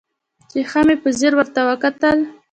چې ښه مې په ځير ورته وکتل.